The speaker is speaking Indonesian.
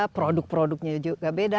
produk produknya juga beda